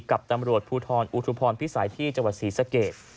กับตำรวจภูทรอุทุพรพิสัยที่จังหวัดศรีสะเกด